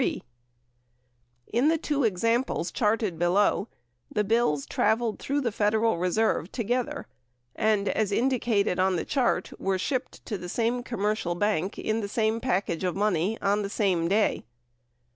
Tn the two examples charted below, the bills traveled through the Federal Reserve together and, as indicated on the chart, were shipped to the same commercial bank in the same package of money on the same day.